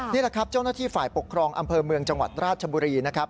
นี่แหละครับเจ้าหน้าที่ฝ่ายปกครองอำเภอเมืองจังหวัดราชบุรีนะครับ